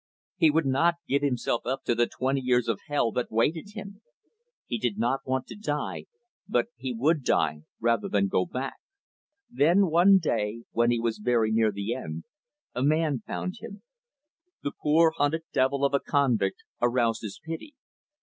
He would not give himself up to the twenty years of hell that waited him. He did not want to die but he would die rather than go back. "Then, one day, when he was very near the end, a man found him. The poor hunted devil of a convict aroused his pity.